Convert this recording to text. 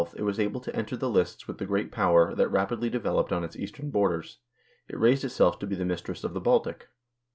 8 NORWAY AND THE UNION WITH SWEDEN it was able to enter the lists with the Great Power that rapidly developed on its eastern borders ; it raised itself to be the mistress of the Baltic.